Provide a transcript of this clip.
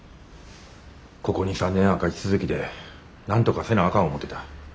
ここ２３年赤字続きでなんとかせなあかん思てた。